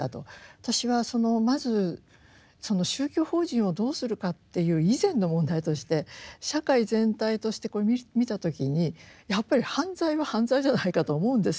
私はまずその宗教法人をどうするかっていう以前の問題として社会全体としてこれ見た時にやっぱり犯罪は犯罪じゃないかと思うんですよ。